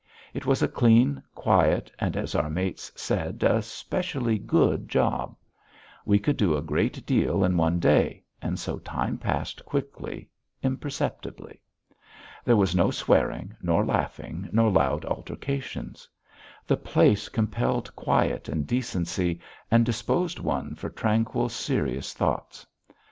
It was a clean, quiet, and, as our mates said, a specially good job. We could do a great deal in one day, and so time passed quickly, imperceptibly. There was no swearing, nor laughing, nor loud altercations. The place compelled quiet and decency, and disposed one for tranquil, serious thoughts.